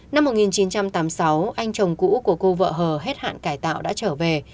năm một nghìn chín trăm tám mươi sáu anh chồng cũ của cô vợ hờ hết hạn cải tạo đã trở về